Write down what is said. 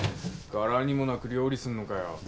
柄にもなく料理すんのかよ？